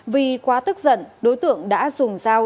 vì quá tức giận đối tượng đã dùng dao